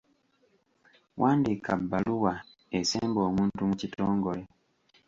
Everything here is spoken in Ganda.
Wandiika bbaluwa esemba omuntu mu kitongole.